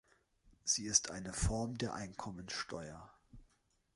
Sie ist eine Form der Einkommenssteuer.